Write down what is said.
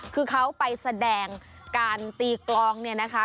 คือเขาไปแสดงการตีกลองเนี่ยนะคะ